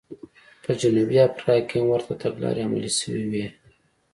په جنوبي افریقا کې هم ورته تګلارې عملي شوې وې.